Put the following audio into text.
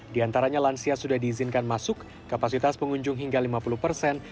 di antaranya lansia sudah diizinkan masuk kapasitas pengunjung hingga lima puluh persen